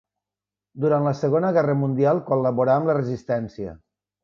Durant la Segona Guerra Mundial col·laborà amb la Resistència.